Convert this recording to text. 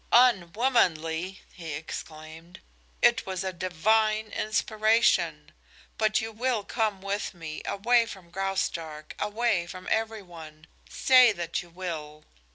"Unwomanly!" he exclaimed. "It was by divine inspiration. But you will come with me, away from Graustark, away from every one. Say that you will!"